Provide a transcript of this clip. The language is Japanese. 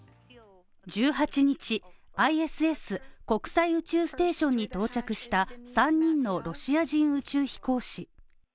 １８日ＩＳＳ＝国際宇宙ステーションに到着した３人のロシア人宇宙飛行士。